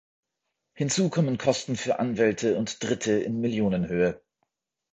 Hinzu kommen Kosten für Anwälte und Dritte in Millionenhöhe.